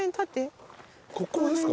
ここですか？